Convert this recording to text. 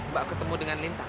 mbak ketemu dengan lintang